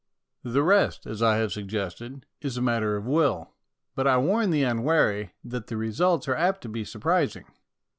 The rest, as I have suggested, is a matter of will, but I warn the unwary that the results are apt to be surprising.